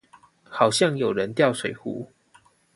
好像有人掉水壺